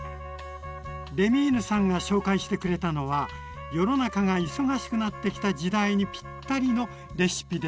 レミーヌさんが紹介してくれたのは世の中が忙しくなってきた時代にピッタリのレシピでしたね。